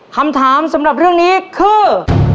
คำถามสำหรับเรื่องนี้คือ